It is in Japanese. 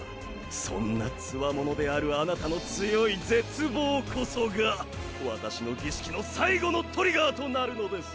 そんなツワモノであるあなたの強い絶望こそが私の儀式の最後のトリガーとなるのです！